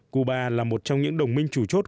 cuba là một trong những đồng minh chủ chốt